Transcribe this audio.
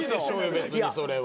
別にそれは。